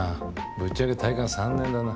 ぶっちゃけ体感３年だな。